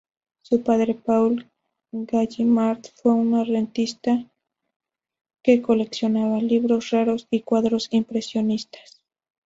Su padre, Paul Gallimard, fue un rentista que coleccionaba libros raros y cuadros impresionistas.